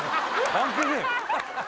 関係ねえ